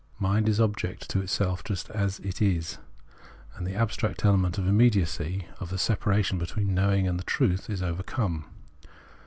Mind is object to itself just as it is, and the abstract element of immediacy, of the separation between l mowing and the truth, is overcome.